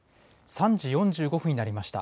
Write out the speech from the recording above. ３時４５分になりました。